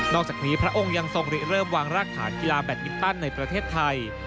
อกจากนี้พระองค์ยังทรงเริ่มวางรากฐานกีฬาแบตมินตันในประเทศไทย